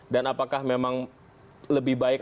dan apakah memang lebih baik